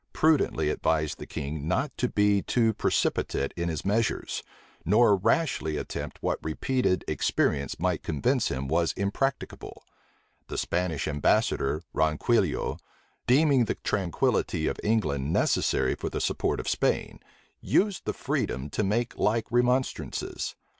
prudently advised the king not to be too precipitate in his measures, nor rashly attempt what repeated experience might convince him was impracticable. The Spanish ambassador, Ronquillo, deeming the tranquillity of England necessary for the support of Spain, used the freedom to make like remonstrances.